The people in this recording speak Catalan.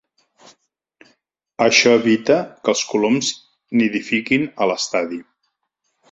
Això evita que els coloms nidifiquin a l'estadi.